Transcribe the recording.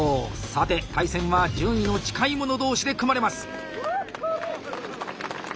さて対戦は順位の近い者同士で組まれます。